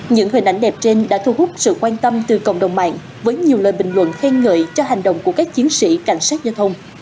những hình ảnh đẹp trên đã thu hút sự quan tâm từ cộng đồng mạng với nhiều lời bình luận khen ngợi cho hành động của các chiến sĩ cảnh sát giao thông